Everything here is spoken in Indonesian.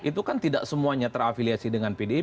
itu kan tidak semuanya terafiliasi dengan pdip